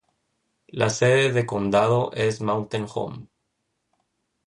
La sede de condado es Mountain Home.